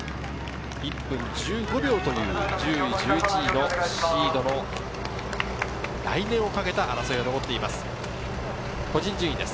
１分１５秒という１０位と１１位のシードの来年をかけた争いです。